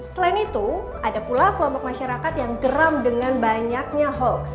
selain itu ada pula kelompok masyarakat yang geram dengan banyaknya hoax